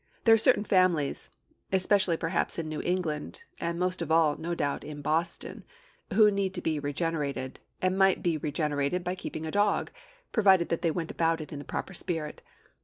There are certain families, especially perhaps in New England, and most of all, no doubt, in Boston, who need to be regenerated, and might be regenerated by keeping a dog, provided that they went about it in the proper spirit.